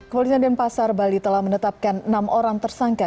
kepolisian denpasar bali telah menetapkan enam orang tersangka